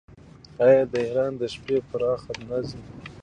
آیا د ایران دښتې پراخې نه دي؟